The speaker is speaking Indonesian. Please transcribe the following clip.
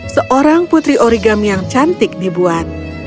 seorang putri origam yang cantik dibuat